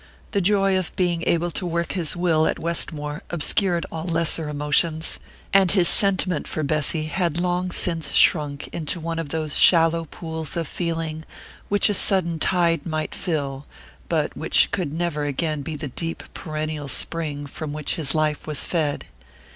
The joy of being able to work his will at Westmore obscured all lesser emotions; and his sentiment for Bessy had long since shrunk into one of those shallow pools of feeling which a sudden tide might fill, but which could never again be the deep perennial spring from which his life was fed.